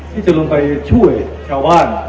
ที่จะลงไปช่วยชาวบ้าน